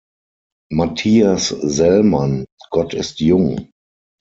Matthias Sellmann: "Gott ist jung!